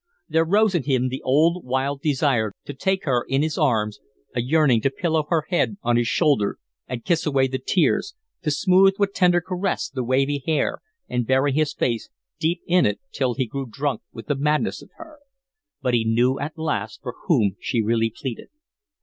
There rose in him the old wild desire to take her in his arms, a yearning to pillow her head on his shoulder and kiss away the tears, to smooth with tender caress the wavy hair, and bury his face deep in it till he grew drunk with the madness of her. But he knew at last for whom she really pleaded.